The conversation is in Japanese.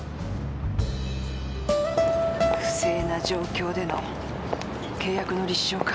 不正な状況での契約の立証か。